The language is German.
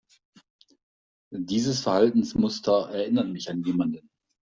Dieses Verhaltensmuster erinnert mich an jemanden.